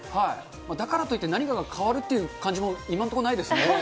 だからといって、何かが変わるという感じも今のところないですね。